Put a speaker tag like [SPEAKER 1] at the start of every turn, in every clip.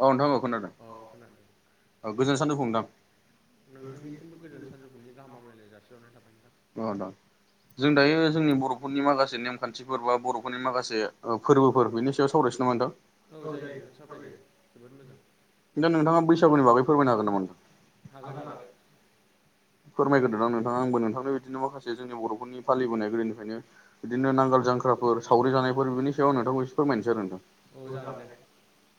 [SPEAKER 1] औ नोंथांो खोनादों
[SPEAKER 2] औ खोनादों
[SPEAKER 1] औ गोजोन सानजौफु नोंथां।
[SPEAKER 2] नोंथांनिसिमबो गोजोन सानजौफनि गाहामलाय जासिहरनाय थाबाय नोंथां।
[SPEAKER 1] औ द जों दायो जोंनि बर'फोरनि माखासे नेमखान्थिफोर बा बर'फोरनि माखासे फोरबोफोर बेनि सायाव सावरायसनो मोनदों
[SPEAKER 2] औ जायो नोंथां स फरायजायो जोबोद मोजां
[SPEAKER 1] दा नोंथाङा बैसागुनि बागै
[SPEAKER 2] [unintelligible] हागोन हागोन।
[SPEAKER 1] फोरमायग्रोदां नोंथां आंबो नोंथांनो बिदिनो माखासे जोंनि बर'फोरनि फालिबोनाय गोदोनिफ्रायनो बिदिनो नांगोल जांख्राफोर सावरि जानायफोर बिनि सायाव नोंथांखौ एसे फोरमायनोसै आरो नोंथां।
[SPEAKER 2] औ जागोन दे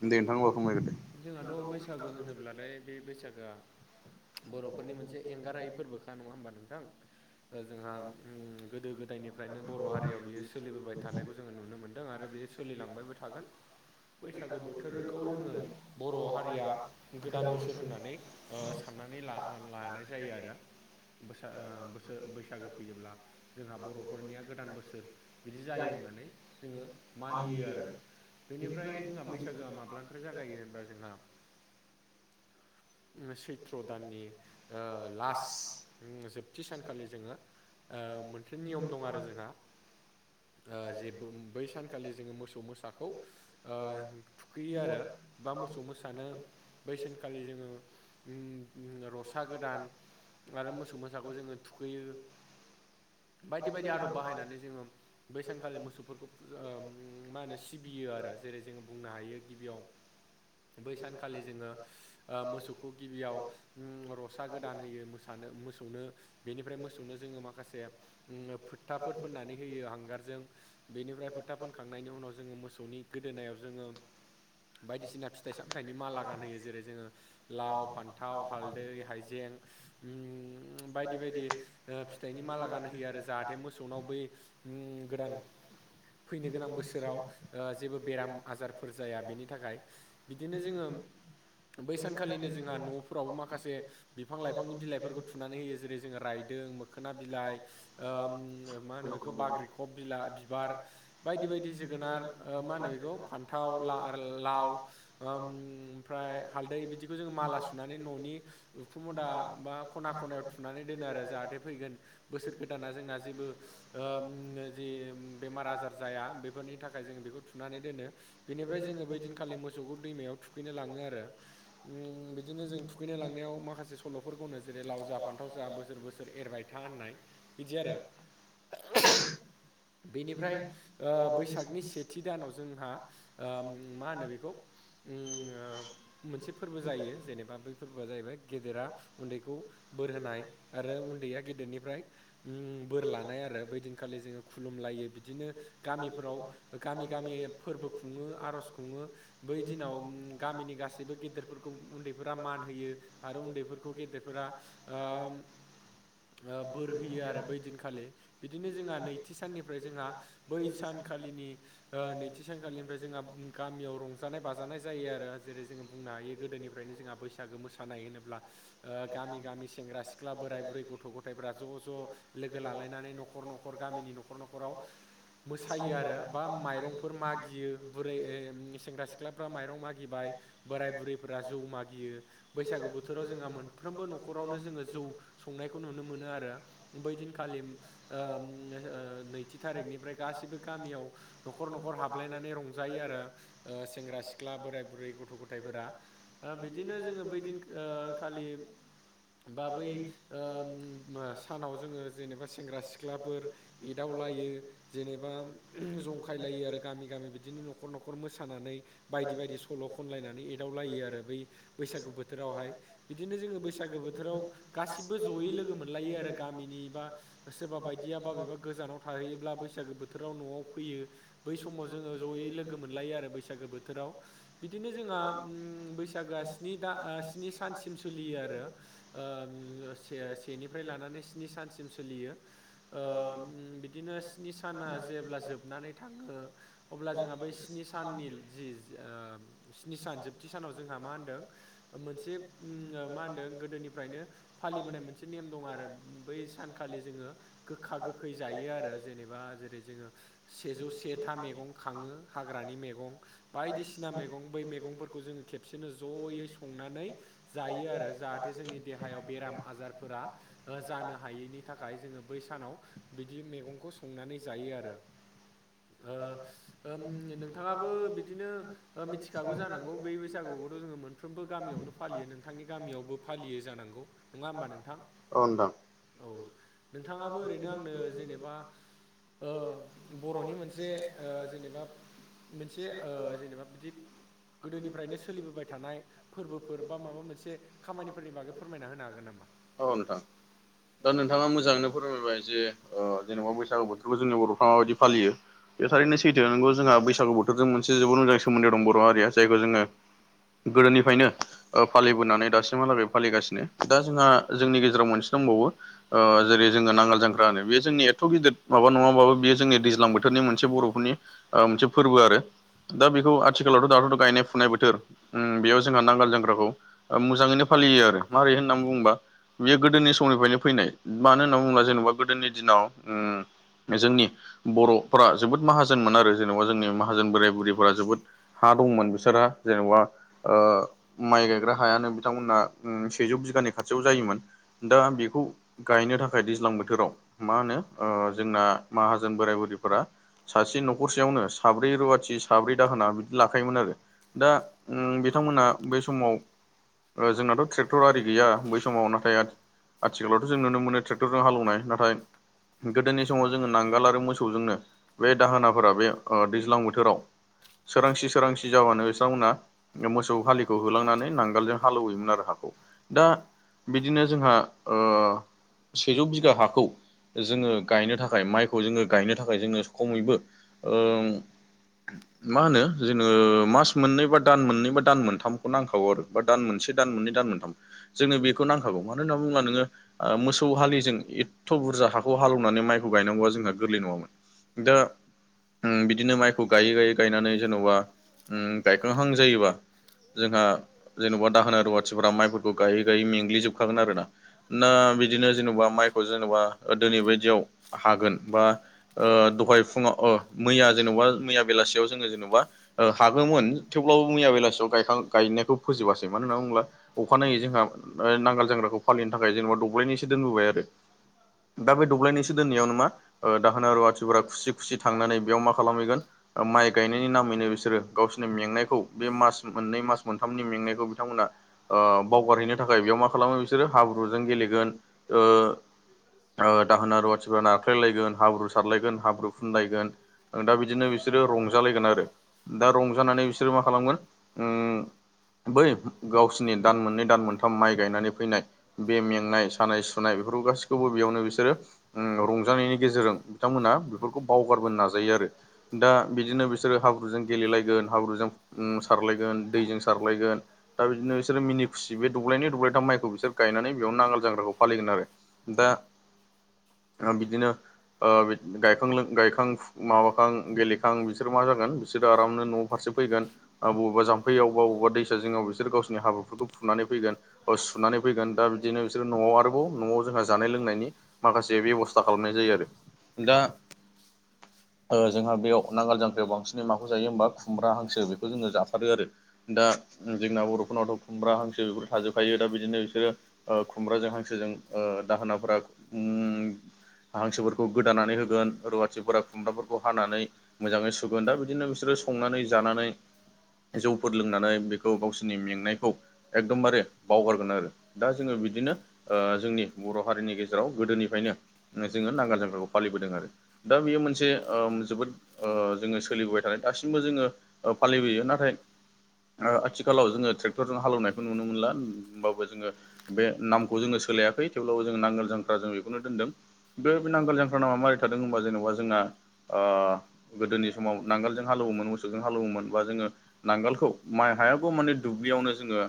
[SPEAKER 1] [unintelligible] दे नोंथां [unintelligible]
[SPEAKER 2] जोंहाथ' बैसागो होनोब्लालाय बे बैसागोआ बर'फोरनि मोनसे एंगारायै फोरबोखा नङा होमबा नोंथां? ओ जोंहा गोदो गोदायनिफ्रायनो बर' हारियाव बियो सोलिबोबाय थानायखौ जोङो नुनो मोनदों आरो बे सोलिलांबायबो थागोन बैसागो बोथोरखौ जोङो बर' हारिया गोदान बोसोर होननानै सान नानै लानाय जायो आरो बो बोसोर बैसागो फैयोब्ला जोंहा बर'फोरनिया गोदान बोसोर बिदि जायो होननानै जोङो मानियो आरो। बेनिफ्राय जोंहा बैसागोआ माब्लानिफ्राय जागायो होनबा जोंहा सैथ्र' दाननि ओ लास्ट जोबथि सानखालि जोङो ओ मोनसे नियम दं आरो जोंहा ओ जेबो बै सानखालि जोङो मोसौ मोसाखौ ओ ओ थुखैयो आरो। बा मोसौ मोसानो बैसानखालि जोङो फिसाा गोदान आरो मोसौ मोसाखौ जोङो थुखैयो। बायदि बायदि आदब बाहायनानै जोङो बैसांखालि मोसौफोरखौ मा होनो सिबियो आरो जेरै जोङो बुंनो हायो गिबियाव ओ बै सानखालि जोङो मोसौखौ गिबियाव रसे फिसा गोदान होयो मोसानो मोसौनो बेनिफ्राय मोसौनो जोङो माखासे उम फोथाफोर फोननानै होयो हांगारजों बेनिफ्राय फोथा फोनखां खांनायनि उनाव जोङो मोसौनि गोदोनायाव जोङो बायदिसिना फिथाइ सामथाइनि माला गानहोयो जेरै जोङो लाव फान्थाव हालदै हाइजें उम बायदि बायदि फिथाइनि माला गानहोयो आरो जाहाथे मोसौनाव बै गोदान फैनो गोनां बोसोराव ओ जेबो बेराम आजारफोर जाया बेनि थाखाय बिदिनो जोङो बै सानखालिनो जोंहा न'फोरावबो माखासे बिफां लाइफांनि बिलाइफोरखौ थु माने जेरै जोङो रायदों मोखोना बिलाइ ओ मा होनो बेखौ बाग्रि खब बिला बिबार बायदि बायदि जोगोनार मा होनो बेखौ? फान्थाव ला- लाव ओ ओमफ्राय हालदै बिदिखौ जोङो माला सुनानै न'नि उखुम मुदा बा खना खनायाव थुनानै दोनो आरो जाहाथे फैगोन बोसोर गोदाना जोंना जेबो ओ जि बेमार आजार जाया बेफोरनि थाखाय जों बेखौ थुनानै दोनो। बेनिफ्राय जोङो बैदिनखालि मोसौखौ दैमायाव थुखैनो लाङो आरो। बिदिनो जों थुखैनाय लांनायाव माखासे सल'फोरखौनो जेरै ला जा फान्थाव जा बोसोर बोसोर एरबाय था होननाय बिदि आरो। बेनिफ्राय ओ बैसागनि सेथि दानाव जोंहा ओ मा होनो बेखौ? उम मोनसे फोरबो जायो जेनेबा बै फोरबोआ जाहैबाय गेदेरा उन्दैखौ बोर होनाय आरो उन्दैया गेदेरनिफ्राय उम बोर लानाय आरो बैदिनखालि जोङो खुलुमलायो बिदिनो गामिफोराव गामि गामि फोरबो खुङो आर'ज खुङो। बै दिनाव गामिनि गासैबो गेदेरफोरखौ उन्दैफोरा मान होयो आरो उन्दै फोर खौ गेदेरफोरा ओ बोरहयो आरो बै दिनखालि बिदिनो जोंहा नैथि साननिफ्राय जोंहा बै सानखालिनि ओ नैथि सानखालिनिफ्राय जोंहा गामियाव रं जानाय बाजानाय जायो आरो जेरै जोङो बुंनो हायो गोदोनिफ्रायनो जोंहा बैसागो मोसानाय होनोब्ला गामि गामि सेंग्रा सिख्ला बोराय बुरै गथ' गथायफ्रा ज' ज' लोगो लालायनानै न'खर न'खर गामिनि न' न'खराव मोसायो आरो बा माइरंफोर मागियो बुरै सेंग्रा सिख्लाफ्रा माइरं मागिबाय बोराय बुरैफोरा जौ मागियो बैसागु बोथोराव जों मोन फ्रोमबो न'खरावनो जोङो जौ संनायखौ नुनो मोनो आरो। बै दिनखालि ओ नैथि थारिखनिफ्राय गासिबो गामियाव। न'खर न'खर हाबलायनानै रंजायो आरो ओ सेंग्रा सिख्ला बोराय बुरै गथ' गथायफोरा बिदिनो जोङो बैदिन खालि। बा बै सानाव जोङो जेनेबा सेंग्रा सिख्लाफोर। इदावलायो जेनेबा जंखायलायो आरो गामि गामि बिदिनो न'खर न'खर मोसानानै। बायदि बायदि सल' खनलायनानै एदावलायो आरो बै बैसागु बोथोरावहाय बिदिनो जोङो बैसागो बोथोराव गासिबो ज'यै लोगो मोनलायो आरो गामिनि बा सोरबा बायदिया बबेबा गोजानाव। थाहैयोब्ला बैसागो बोथोराव न'आव फैयो बै समाव जोङो जयै लोगो मोनलायो आरो बैसागो बो थोराव बिदिनो जोंहा बैसागोआ स्नि दा आ स्नि सानसिम सोलियो आरो ओ सेनिफ्राय लानानै स्नि सानसिम सोलियो। ओ बिदिनो स्नि साना जेब्ला जोबनानै थाङो। अब्ला जोंहा बै स्नि साननि जि स्नि सान जोबथि सानाव जोंहा मा होनदों। मोनसे मा होनदों गोदोनिफ्रायनो। फालिबोनाय मोनसे नेयम दङ आरो बै सानखालि जोङो। गोखा गोखै जायो आरो जेनेबा जेरै जोङो सेजौ सेथा मैगं खाङो हाग्रानि मैगं बायदिसिना मैगं बै मैगंफोरखौ जोङो खेबसेनो जयै संनानै जायो आरो जाहाथे जोंनि देहायाव बेराम आजारफोरा जानो हायैनि थाखाय जोङो बै सानाव बिदि मैगंखौ संनानै जायो आरो। नोंथाङाबो बिदिनो। मिथिखागौ जानांगौ बै बैसागुखौथ' जोङो मोनफ्रोमबो गामियावनो फालियो नोंथांनि गामियावबो फालियो जानांगौ। नङा होमबा नोंथां
[SPEAKER 1] औ नोंथां
[SPEAKER 2] औ नोंथाङाबो ओरैनो आंनो जेनेबा। बर'नि मोनसे जेनेबा मोनसे जेनेबा बिदि गोदोनिफ्रायनो सोलिबोबाय थानाय फोरबोफोर बा माबा मोनसे खामानिफोरनि बागै फोरमायना होनो हागोन नामा?
[SPEAKER 1] औ नोंथां दा नोंथाङा मोजाङैनो फोरमायबाय जे जेनेबा बैसागु बोथोरखौ जोंनि बर'फ्रा माबायदि फालियो। बे थारैनो सैथो नोंगौ जोंहा बैसागु बोथोरजों मोनसे जोबोद मोजां सोमोनदो दं बर' हारिया जायखौ जोङो। गोदोनिफ्रायनो। फालिबोनानै दासिमहालागै फालिगासिनो दा जोंहा जोंनि गेजेराव मोनसे दंबावो। जेरै जोङो नांगाल जांख्रा होनो बेयो जोंनि एथ' गिदिर माबा नङाबाबो बेयो जोंनि दैज्लां बोथोरनि मोनसे बर'फोरनि। मोनसे फोरबो आरो दा बेखौ आथिखालावथ' दाथ'थ' गायनाय फुनाय बोथोर बेयाव जोंहा नांगाल जग्राखौ मोजाङैनो फालियो आरो मारै होननानै बुङोबा। बेयो गोदोनि समनिफ्रायनो फैनाय मानो होनना बुङोब्ला जेनेबा गोदोनि दिनाव। जोंनि बर'फोरा जोबोद माहाजोनमोन आरो जेनेबा जोंनि माहाजोन बोराइ बुरैफोरा जोबोद हा दंमोन बिसोरहा जेनेबा। माइ गायग्रा हायानो बिथांमोनहा सेजौ बिगानि खाथियाव जायोमोन। दां बेखौ गायनो थाखाय दैज्लां बोथोराव मा होनो जोंना माहाजोन बोराय बुरैफोरा। सासे न'खरसेयावनो साब्रै रुवाथि साब्रै दाहोना बिदि लाखायोमोन आरो। दा बिथांमोना बै समाव जोंनाथ' ट्रेक्टर आरि गैया बै समाव नाथाय। आथिखालावथ' जों नुनो मोनो ट्रेक्टरजों हालेवनाय नाथाय। गोदोनि समाव जोङो नांगोल आरो मोसौजोंनो। बे दाहोनाफोरा बे दैज्लां बोथोराव सोरांसि सोरांसि। जावानो बिथांांमोनहा मोसौ हालिखौ होलांनानै नांगोलजों हालौवयोमोन आरो हाखौ दा बिदिनो जोंहा सेजौ बिगा हाखौ जोङो गायनो थाखाय माइखौ जोङो गायनो थाखाय जोङो खैबो। मा होनो जोङो। मास मोननै बा दान मोननै बा दान मोनथामखौ नांखागौ आरो बा दान मोनसे दान मोननै दान मोनथाम। जोंनो बेखौ नांखागौ मानो होनना बुङोब्ला नोङो। मोसौ हालिजों एथ' बुरजा हाखौ हालेवनानै माइखौ गायनांगौआ जोंहा गोरलै नङामोन। दा बिदिनो माइखौ गायै गायै गायनानै जेन'बा। उम गायख' हांजायोबा जोंहा जेन'बा दाहोना रुवाथिफोरा माइफोरखौ गायै गायै मेंग्लिजोबखागोन आरो ना। ना बिदिनो जेनेबा माइखौ जेनेबा दिनै बायदियाव हागोन बा दहाय फुङाव मैया जेनेबा मैया बेलासियाव जोङो जेनेबा। थागौोन थेवब्लाबो मैया बेलासियाव गखां गायनायखौ फोजोबासै मानो होनना बुङोब्ला अखानायै जोंहा नांगोल जांग्राखौ फालिनो थाखाय जेनेबा दब्लायनिसो दोनबोबाय आरो। दा बे दब्लायनसो दोननायाव नामा? दाहोना रुवाथिफोरा खुसि खुसि थांनानै बेयाव मा खालामहैगोन माइ गायनायनि नामैनो बिसोरो। गावसिनि मेंनायखौ बे मास मोननै मास मोनथामनि मेंनायखौ बिथांमोना। बावगारहैनो थाखाय बेयाव मा खालामो। बिसोरो हाब्रुजों गेलेगोन दाहोना रुवाथिफोरा न स्रायलायगोन हाब्रु सारलायगोन हाब्रु फुनलायगोन आ दा बिदिनो बिसोरो रंजालायगोन आरो। दा रंजानानै बिसोरो मा खालामगोन। बै गावसिनि दान मोननै दान मोनथाम माइ गायनानै फैनाय। बे मेंनाय सानाय सुनाय बेफोरखौ गासैखौबो बेयावनो बिसोरो। रंजानायनि गेजेरजों बिथांमोनहा बेफोरखौ बावगारबोनो नाजायो आरो। दा बिदिनो बिसोरो हाब्रुजों। गेलेलायगोन हाब्रुजों सारलायगोन दैजों सारलायगोन। दा बिदिनो बिसोरो मिनि खुसि बे दुब्लायनि दुब्लायथाम माइखौ बिसोर गायनानै बेयाव नांगोल जांग्राखौ फालिगोन आरो। दा बिदिनो। गायखां माबाखां गेलेखां बिसोर मा जागोन। बिसोर आरामनो न' फारसे फैगोन। बबेबा जाम्फै बबेबा दैसा जिंङाव बिसोर गावनि हाबाफोरखौ फुनानै। फैगोन सुनानै फैगोन दा बिदिनो बिसोरो न'आव आरोबाव न'आव जोंहा जानाय लोंनायनि माखासे बेब'स्था खालामनाय जायो आरो। दा जोंहा बेयाव नांगाल जांखायाव बांसिन। माखौ जायो होमबा खुमब्रा हांसो बेखौ जोंङो जाफारो आरो। दा जोंना बर'फोरनावथ' खुमब्रा हांसो बेफोर थाजोबखायो दा बिदिनो बिसोरो। खुमब्राजों हांसोजों दाहोनाफोरा। हांसोफोरखौ गोदानानै होगोन रुवाथिफोरा खुमब्राफोरखौ हानानै मोजांङै सु होग दा बिदिनो बिसोरो संनानै जानानै जौफोर लोंनानै बेखौ गावसोरनि मेंनायखौ एकदमबारे बावगारगोन आरो दा जोंङो बिदिनो जोंनि बर' हारिनि गेजेराव गोदोनिफ्रायनो जोङो नांगाल जांग्राखौ फालिबोदों आरो दा बियो मोनसे जोबोद जोंङो सोलिबोबाय थानाय दासिमबो जोंङो फालिबोयो नाथाय। आथिखालाव जोंङो ट्रेक्टरजों हालेनायखौ नुनो मोनला हबाबो जोंङो बे नामखौ जोंङो सोलायाखै थेवब्लाबो जों नांगोल जांख्रा जों बेखौनो दोनदों। बे नांगोल जाख्रा नामा माबोरै थादों होनबा जेनेबा जोंना गोदोनि समाव नांगोलजों हालेवोमोन मोसौजों हालेवोमोन बा जोंङो नांगोलखौ माइ हायागौ माने दुब्लियावनो जोङो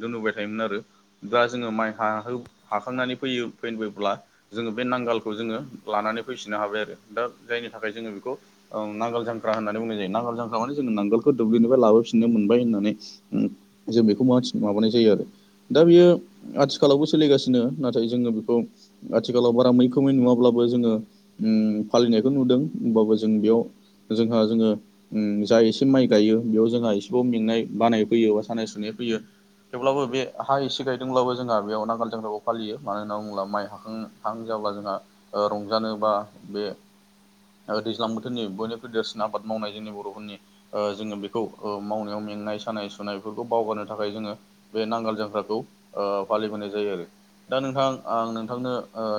[SPEAKER 1] दोनहरबाय थायोमोन आरो दा जोंङो माइ ह हाखांनानै फैयो फैबोब्ला जोंङो बे नांगालखौ जोङो लानानै फैफिननो हाबाय आरो दा जायनि थाखाय जोंङो बेखौ नांगालोल जांख्रा होननानै बुंनाय जायो नांगोल जांख्रा माने जोंङो नांगोलखौ दुबिलिनिफ्राय लाबोफिननो मोनबाय होननानै जों बेखौ माबानाय जायो आरो। दा बियो आथिखालावबो सोलिगासिनो नाथाय जोङो बेखौ आथिखालाव बारा मैखोमै नुवाब्लाबो जोङो उम फालिनायखौ नुदों होमबाबो जों बेयाव जोंहा जोङो जा एसे माइ गायो बेयाव जोंहा एसेबाबो मेंनाय बानाय फैयो बा सानाय सुनाय फैयो। थेवब्लाबो बे हा इसे गायदोंब्लाबो जोंहा बेयाव नांगाल जांख्राखौ फालियो मानो होनना बुङोब्ला माइ हाखां हां जाब्ला जोंहा रंजानो बा बे ओ दैज्लां बोथोरनि बयनिख्रुइ देरसिन आबाद मावनाय जोंनि बर'फोरनि जोंङो बेखौ मावनायाव मेंनाय सानाय सुनायफोरखौ बावगारनो थाखाय जोंङो बे नांगाल जांख्राखौ फालिबोनाय जायो आरो। दा नोंथां आं नोंथांनो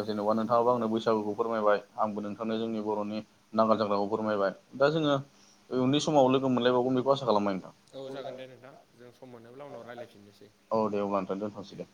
[SPEAKER 1] जेन'बा नोंथाङाबो आंनो बैसागुखौ फोरमायबाय आंबो नोंथांनो जोंनि बर'नि नांगाल जांग्राखौ फोरमायबाय दा जोंङो उ उनै समाव लोगो मोनलायबावगोन बेखौ आसा खालामबाय नोंथां।
[SPEAKER 2] औ जागोन दे नोंथां जों सम मोनोब्ला उनाव रायज्लायफिननोसै
[SPEAKER 1] औ दे औब्ला आानोथ दोनथ'सै दे।